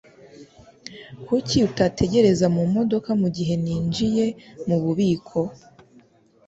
Kuki utategereza mumodoka mugihe ninjiye mububiko?